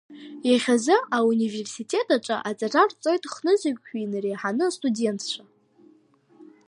Иахьазы ауниверситет аҿы аҵара рҵоит хнызқьҩык инареиҳаны астудентцәа.